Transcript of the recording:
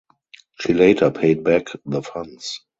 She later paid back the funds.